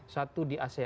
satu di asean